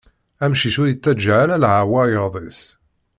Amcic ur ittaǧǧa ara laɛwayed-is.